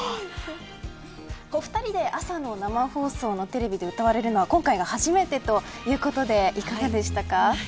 お二人で朝の生放送のテレビで歌われるのは今回が初めてということでいかがでしたか。